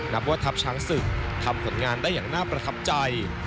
นับว่าทัพช้างศึกทำผลงานได้อย่างน่าประทับใจ